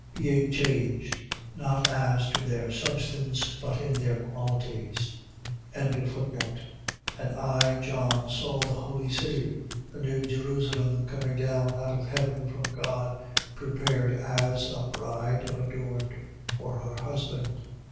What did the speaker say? . .being changed, not as to their substance, but in their qualities. 21:2. And I, John, saw the holy city, the new Jerusalem, coming down out of heaven from God, prepared as a bride adorned for her husband.